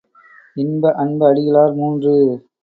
இன்ப அன்பு அடிகளார் மூன்று.